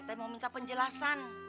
saya mau minta penjelasan